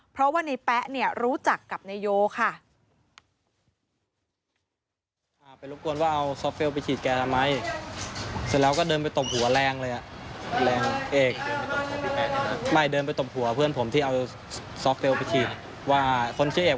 เพราะว่าในแป๊ะเนี่ยรู้จักกับนายโยค่ะ